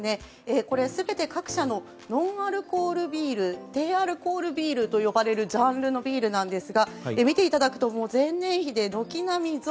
これは全て各社のノンアルコールビール低アルコールビールと呼ばれるジャンルのビールですが前年比で軒並み増。